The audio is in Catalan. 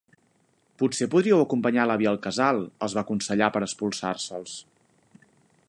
Potser podríeu acompanyar l'avi al Casal —els va aconsellar, per espolsar-se'ls—.